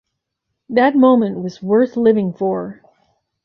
That moment was worth living for.